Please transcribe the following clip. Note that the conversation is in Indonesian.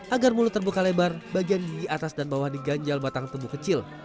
agar mulut terbuka lebar bagian gigi atas dan bawah diganjal batang tubuh kecil